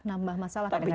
nambah masalah kadang kadang